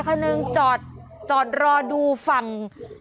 วันนี้จะเป็นวันนี้